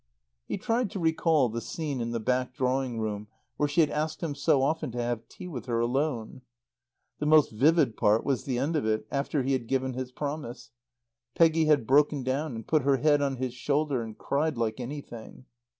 He tried to recall the scene in the back drawing room where she had asked him so often to have tea with her alone. The most vivid part was the end of it, after he had given his promise. Peggy had broken down and put her head on his shoulder and cried like anything.